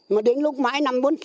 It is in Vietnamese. mà đến lúc mãi năm bốn mươi sáu